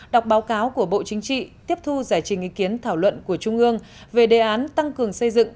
đọc báo cáo của bộ chính trị tiếp thu giải trình ý kiến thảo luận của trung ương về đề án tăng cường xây dựng